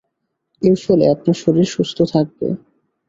এর ফলে আপনার শরীর সুস্থ থাকবে।